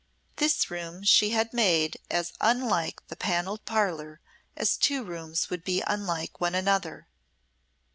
This room she had made as unlike the Panelled Parlour as two rooms would be unlike one another.